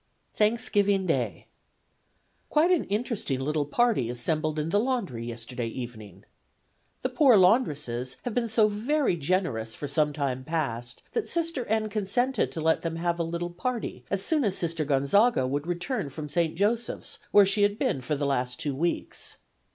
"Thanksgiving Day. Quite an interesting little party assembled in the laundry yesterday evening. The poor laundresses have been so very generous for some time past that Sister N. consented to let them have a little party as soon as Sister Gonzaga would return from St. Joseph's, where she had been for the last two weeks.